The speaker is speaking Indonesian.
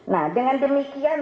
nah dengan demikian